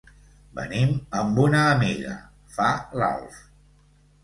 Venim amb una amiga —fa l'Alf—.